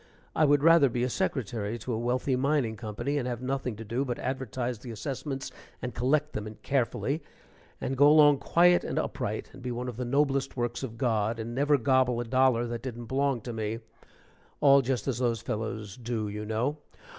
I would rather be secretary to a wealthy mining company, and have nothing to do but advertise the assessments and collect them in carefully, and go along quiet and upright, and be one of the noblest works of God, and never gobble a dollar that didn't belong to me all just as those fellows do, you know.